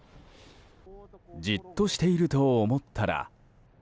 じっとしていると思ったら。